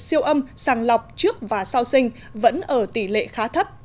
siêu âm sàng lọc trước và sau sinh vẫn ở tỷ lệ khá thấp